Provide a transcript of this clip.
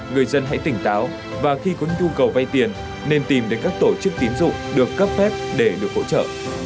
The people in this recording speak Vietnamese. người dân hãy tỉnh táo và khi có nhu cầu vay tiền nên tìm đến các tổ chức tín dụng được cấp phép để được hỗ trợ